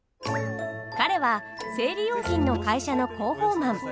彼は生理用品の会社の広報マン。